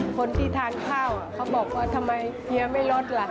คนที่ทานข้าวเขาบอกว่าทำไมเฮียไม่ลดล่ะ